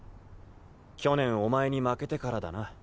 去年お前に負けてからだな。